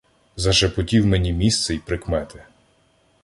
зашепотів мені місце й прикмети.